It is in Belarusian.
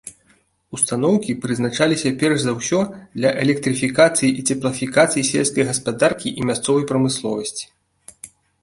Устаноўкі прызначаліся перш за ўсё для электрыфікацыі і цеплафікацыі сельскай гаспадаркі і мясцовай прамысловасці.